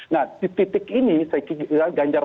nah di titik ini ganjar